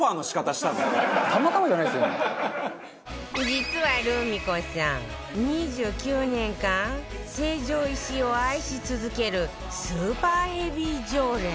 実はルミ子さん２９年間成城石井を愛し続けるスーパーヘビー常連